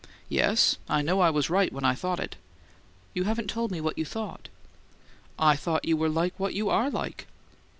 "Yes, I know I was right when I thought it." "You haven't told me what you thought." "I thought you were like what you ARE like."